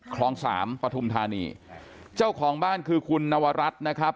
คลองสามปฐุมธานีเจ้าของบ้านคือคุณนวรัฐนะครับ